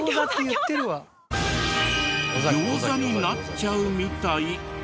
ギョウザになっちゃうみたい。